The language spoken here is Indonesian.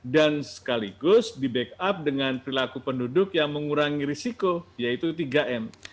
dan sekaligus di backup dengan perilaku penduduk yang mengurangi risiko yaitu tiga m